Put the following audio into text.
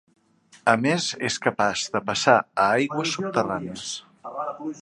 A més és capaç de passar a aigües subterrànies.